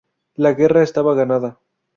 La guerra estaba ganada.